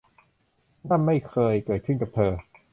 นั่นไม่เคยเกิดขึ้นกับเธอ